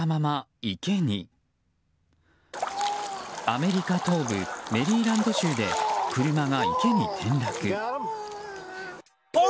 アメリカ東部メリーランド州で車が池に転落。